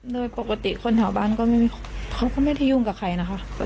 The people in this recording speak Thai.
โดยปกติคนแถวบ้านเขาก็ไม่ได้ยุ่งกับใครนะคะ